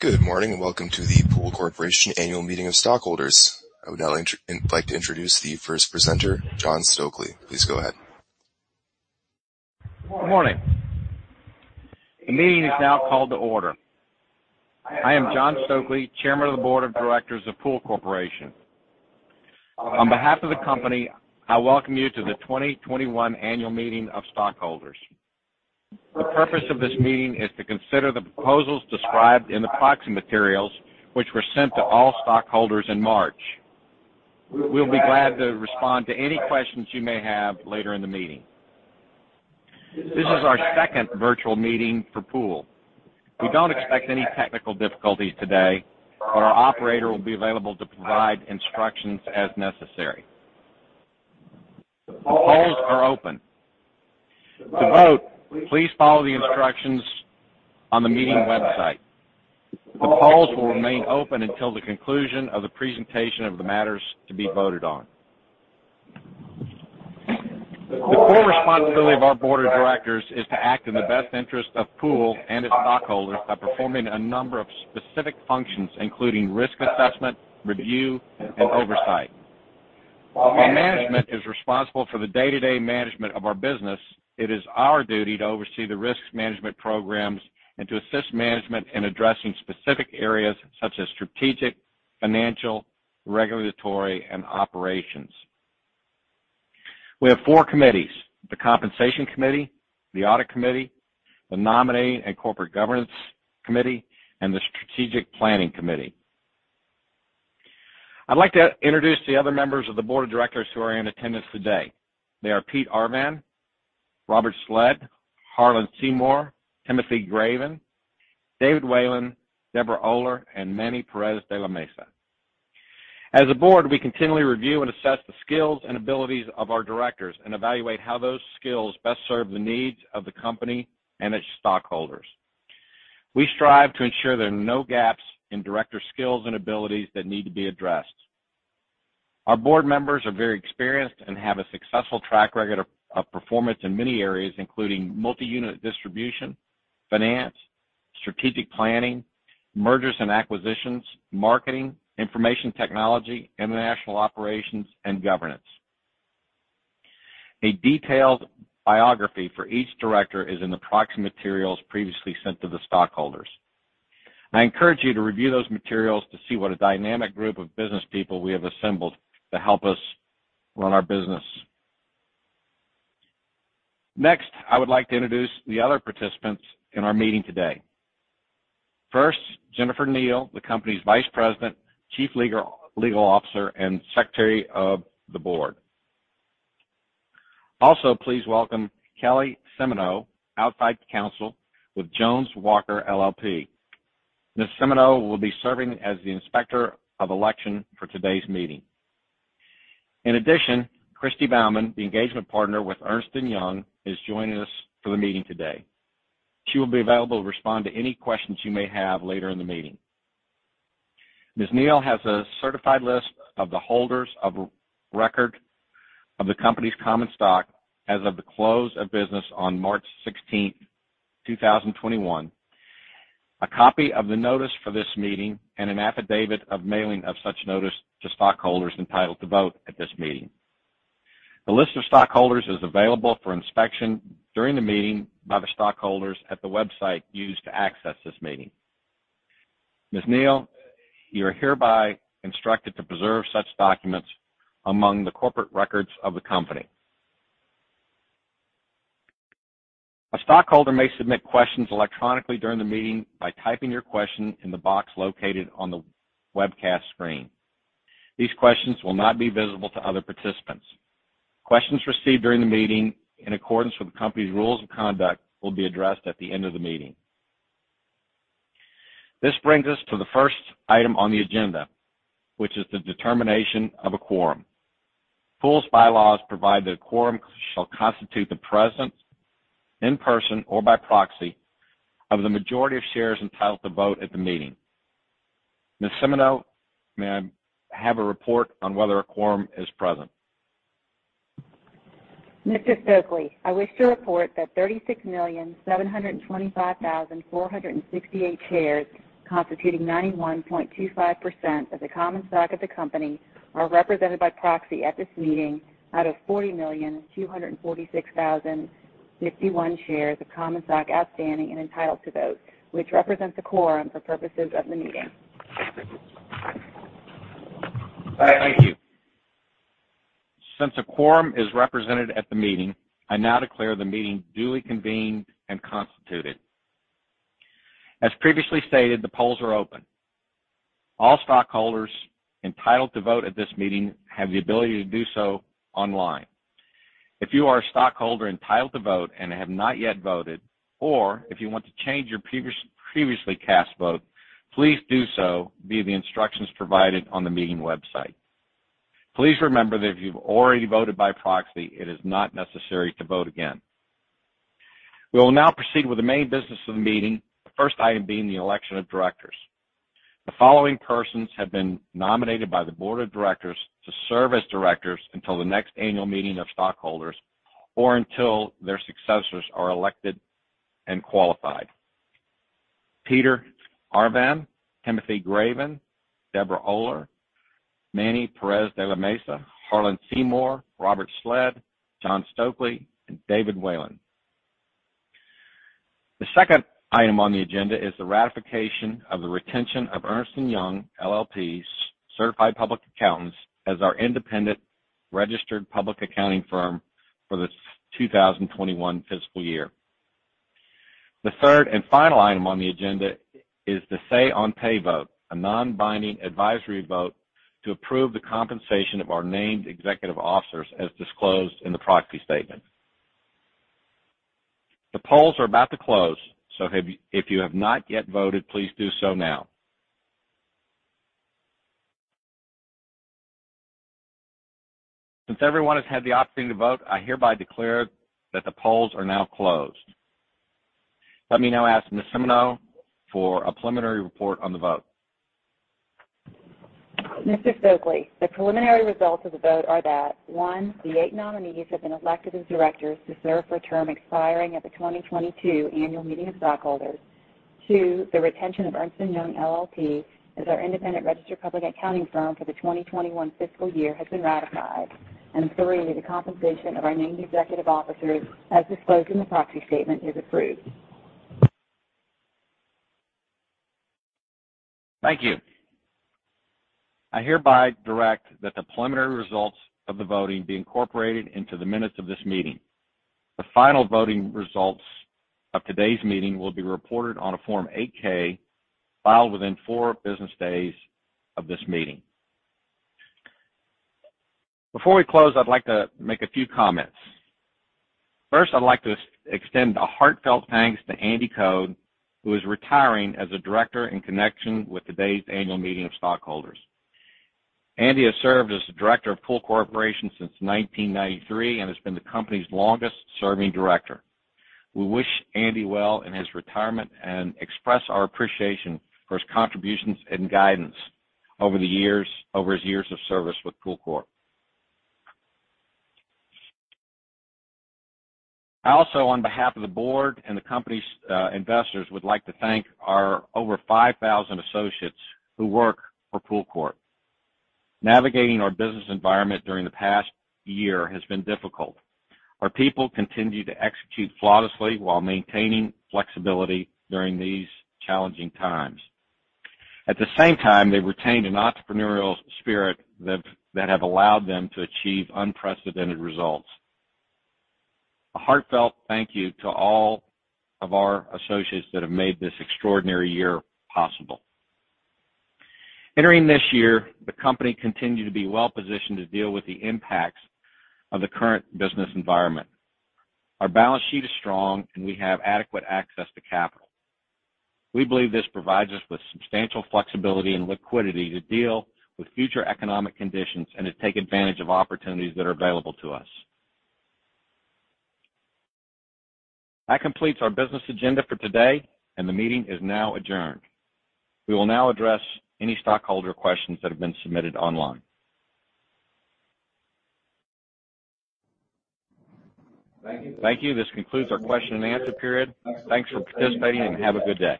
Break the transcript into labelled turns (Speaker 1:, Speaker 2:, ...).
Speaker 1: Good morning, and welcome to the Pool Corporation Annual Meeting of Stockholders. I would now like to introduce the first presenter, John Stokely. Please go ahead.
Speaker 2: Good morning. The meeting is now called to order. I am John Stokely, Chairman of the Board of Directors of Pool Corporation. On behalf of the company, I welcome you to the 2021 Annual Meeting of Stockholders. The purpose of this meeting is to consider the proposals described in the proxy materials, which were sent to all stockholders in March. We'll be glad to respond to any questions you may have later in the meeting. This is our second virtual meeting for Pool. We don't expect any technical difficulties today, but our operator will be available to provide instructions as necessary. The polls are open. To vote, please follow the instructions on the meeting website. The polls will remain open until the conclusion of the presentation of the matters to be voted on. The core responsibility of our board of directors is to act in the best interest of Pool and its stockholders by performing a number of specific functions, including risk assessment, review, and oversight. While management is responsible for the day-to-day management of our business, it is our duty to oversee the risks management programs and to assist management in addressing specific areas such as strategic, financial, regulatory, and operations. We have four committees, the Compensation Committee, the Audit Committee, the Nominating and Corporate Governance Committee, and the Strategic Planning Committee. I'd like to introduce the other members of the board of directors who are in attendance today. They are Peter Arvan, Robert Sledd, Harlan Seymour, Timothy Graven, David Whalen, Debra S. Oler, and Manny Perez de la Mesa. As a board, we continually review and assess the skills and abilities of our directors and evaluate how those skills best serve the needs of the company and its stockholders. We strive to ensure there are no gaps in director skills and abilities that need to be addressed. Our board members are very experienced and have a successful track record of performance in many areas, including multi-unit distribution, finance, strategic planning, mergers and acquisitions, marketing, information technology, international operations, and governance. A detailed biography for each director is in the proxy materials previously sent to the stockholders. I encourage you to review those materials to see what a dynamic group of business people we have assembled to help us run our business. Next, I would like to introduce the other participants in our meeting today. First, Jennifer Neil, the company's Vice President, Chief Legal Officer, and Secretary of the board. Please welcome Kelly Simoneaux, outside counsel with Jones Walker LLP. Ms. Simoneaux will be serving as the Inspector of Election for today's meeting. In addition, Christy Baumann, the Engagement Partner with Ernst & Young, is joining us for the meeting today. She will be available to respond to any questions you may have later in the meeting. Ms. Neil has a certified list of the holders of record of the company's common stock as of the close of business on March 16, 2021, a copy of the notice for this meeting, and an affidavit of mailing of such notice to stockholders entitled to vote at this meeting. The list of stockholders is available for inspection during the meeting by the stockholders at the website used to access this meeting. Ms. Neil, you are hereby instructed to preserve such documents among the corporate records of the company. A stockholder may submit questions electronically during the meeting by typing your question in the box located on the webcast screen. These questions will not be visible to other participants. Questions received during the meeting, in accordance with the company's rules of conduct, will be addressed at the end of the meeting. This brings us to the first item on the agenda, which is the determination of a quorum. Pool's bylaws provide that a quorum shall constitute the presence, in person or by proxy, of the majority of shares entitled to vote at the meeting. Ms. Simoneaux, may I have a report on whether a quorum is present?
Speaker 3: Mr. Stokely, I wish to report that 36,725,468 shares, constituting 91.25% of the common stock of the company, are represented by proxy at this meeting, out of 40,246,051 shares of common stock outstanding and entitled to vote, which represents a quorum for purposes of the meeting.
Speaker 2: Thank you. Since a quorum is represented at the meeting, I now declare the meeting duly convened and constituted. As previously stated, the polls are open. All stockholders entitled to vote at this meeting have the ability to do so online. If you are a stockholder entitled to vote and have not yet voted, or if you want to change your previously cast vote, please do so via the instructions provided on the meeting website. Please remember that if you've already voted by proxy, it is not necessary to vote again. We will now proceed with the main business of the meeting. The first item being the election of directors. The following persons have been nominated by the board of directors to serve as directors until the next annual meeting of stockholders, or until their successors are elected and qualified. Peter Arvan, Timothy Graven, Debra S. Oler, Manny Perez de la Mesa, Harlan Seymour, Robert Sledd, John Stokely, and David Whalen. The second item on the agenda is the ratification of the retention of Ernst & Young LLP's Certified Public Accountants as our independent registered public accounting firm for this 2021 fiscal year. The third and final item on the agenda is the say on pay vote, a non-binding advisory vote to approve the compensation of our named executive officers as disclosed in the proxy statement. The polls are about to close, if you have not yet voted, please do so now. Since everyone has had the opportunity to vote, I hereby declare that the polls are now closed. Let me now ask Ms. Simoneaux for a preliminary report on the vote.
Speaker 3: Mr. Stokely, the preliminary results of the vote are that, one, the eight nominees have been elected as directors to serve for a term expiring at the 2022 annual meeting of stockholders. Two, the retention of Ernst & Young LLP as our independent registered public accounting firm for the 2021 fiscal year has been ratified. Three, the compensation of our named executive officers, as disclosed in the proxy statement, is approved.
Speaker 2: Thank you. I hereby direct that the preliminary results of the voting be incorporated into the minutes of this meeting. The final voting results of today's meeting will be reported on a Form 8-K filed within four business days of this meeting. Before we close, I'd like to make a few comments. First, I'd like to extend a heartfelt thanks to Andy Code, who is retiring as a Director in connection with today's annual meeting of stockholders. Andy has served as the Director of Pool Corporation since 1993 and has been the company's longest-serving Director. We wish Andy well in his retirement and express our appreciation for his contributions and guidance over his years of service with PoolCorp. I also, on behalf of the board and the company's investors, would like to thank our over 5,000 associates who work for PoolCorp. Navigating our business environment during the past year has been difficult. Our people continue to execute flawlessly while maintaining flexibility during these challenging times. At the same time, they retained an entrepreneurial spirit that have allowed them to achieve unprecedented results. A heartfelt thank you to all of our associates that have made this extraordinary year possible. Entering this year, the company continued to be well-positioned to deal with the impacts of the current business environment. Our balance sheet is strong, and we have adequate access to capital. We believe this provides us with substantial flexibility and liquidity to deal with future economic conditions and to take advantage of opportunities that are available to us. That completes our business agenda for today, and the meeting is now adjourned. We will now address any stockholder questions that have been submitted online. Thank you. This concludes our question and answer period. Thanks for participating and have a good day.